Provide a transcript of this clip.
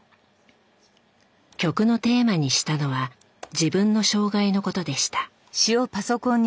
曲のテーマにしたのは自分の障害のことでした。